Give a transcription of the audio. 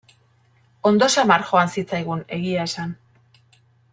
Ondo samar joan zitzaigun, egia esan.